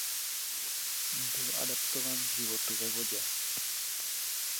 Byl adaptován k životu ve vodě.